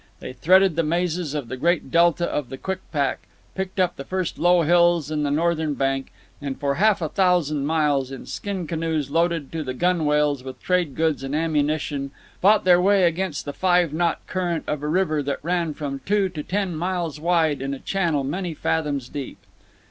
They threaded the mazes of the great delta of the Kwikpak, picked up the first low hills on the northern bank, and for half a thousand miles, in skin canoes loaded to the gunwales with trade goods and ammunition, fought their way against the five knot current of a river that ran from two to ten miles wide in a channel many fathoms deep.